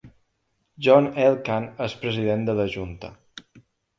John Elkann és president de la junta.